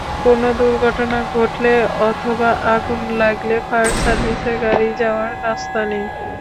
কোনো দুর্ঘটনা ঘটলে অথবা আগুন লাগলে ফায়ার সার্ভিসের গাড়ি যাওয়ার রাস্তা নেই।